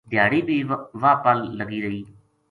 دھیاڑی بھی واہ پل لگی رہی